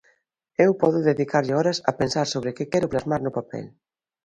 Eu podo dedicarlle horas a pensar sobre que quero plasmar no papel.